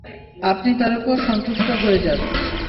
আপনি তার উপর সন্তুষ্ট হয়ে যান।